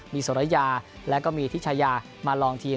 มีโสรยาและก็มีธิชยามาลองทีน